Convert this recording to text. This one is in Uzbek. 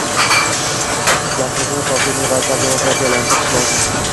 gazimizni totli meva-sabzavotlarga aylantirib sotish